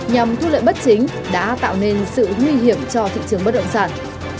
nhằm thu lợi bất chính đã tạo nên sự nguy hiểm cho thị trường bất động sản